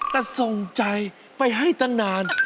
แต่ส่งใจไปให้ตั้งนาน